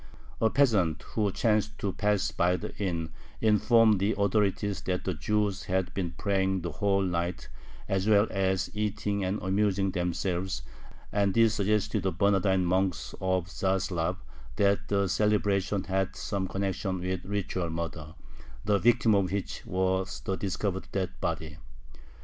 A peasant who chanced to pass by the inn informed the authorities that the Jews had been praying the whole night as well as eating and amusing themselves, and this suggested to the Bernardine monks of Zaslav that the celebration had some connection with ritual murder, the victim of which was the discovered dead body.